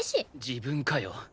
自分かよ。